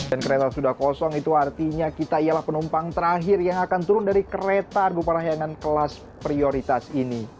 kereta sudah kosong itu artinya kita ialah penumpang terakhir yang akan turun dari kereta argo parahyangan kelas prioritas ini